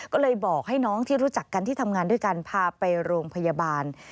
ก็เลยบอกให้น้องที่รู้จักกันที่ทำงานด้วยกันพาไปโรงพยาบาล